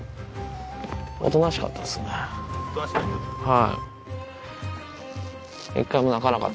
おとなしかったですか。